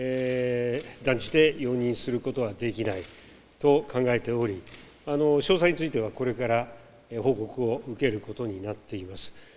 断じて容認することはできないと考えており詳細についてはこれから報告を受けることになっています。